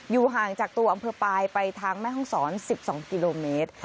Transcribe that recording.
ห่างจากตัวอำเภอปลายไปทางแม่ห้องศร๑๒กิโลเมตร